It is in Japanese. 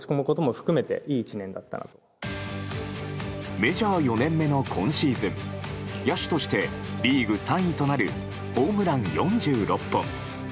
メジャー４年目の今シーズン野手としてリーグ３位となるホームラン４６本。